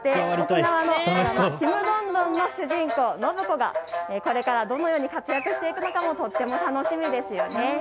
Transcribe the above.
ちむどんどんの主人公、暢子がこれからどのように活躍していくのかもとっても楽しみですよね。